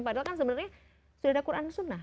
padahal kan sebenarnya sudah ada quran sunnah